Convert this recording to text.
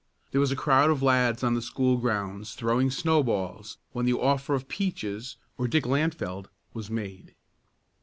There was a crowd of lads on the school grounds, throwing snowballs, when the offer of "Peaches" or Dick Lantfeld was made.